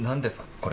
これ。